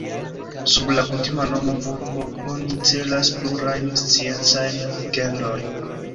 Sub la kutima nomo "vulpo" oni celas plurajn sciencajn genrojn.